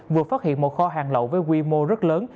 vừa phát hiện một kho hàng lậu với quy mô rất lớn